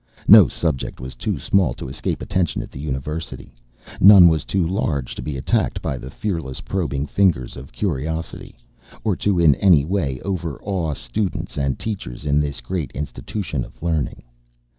No subject was too small to escape attention at the University. None was too large to be attacked by the fearless, probing fingers of curiosity, or to in any way over awe students and teachers in this great institution of learning.